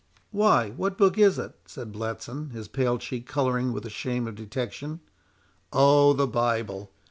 "Why, what book is it?" said Bletson, his pale cheek colouring with the shame of detection. "Oh! the Bible!"